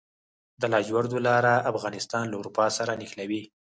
د لاجوردو لاره افغانستان له اروپا سره نښلوي